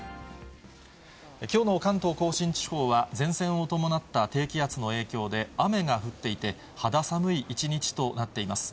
きょうの関東甲信地方は、前線を伴った低気圧の影響で、雨が降っていて、肌寒い一日となっています。